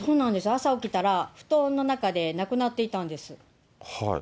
朝起きたら、布団の中で亡くなっていたんです。